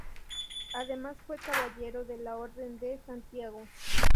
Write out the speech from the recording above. Además fue caballero de la Orden de Santiago.